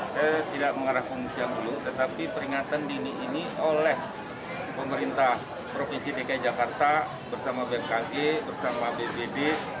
saya tidak mengarah pengungsian dulu tetapi peringatan dini ini oleh pemerintah provinsi dki jakarta bersama bmkg bersama bpd